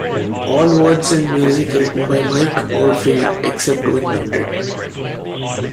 All words and music written by Mike Oldfield, except where noted.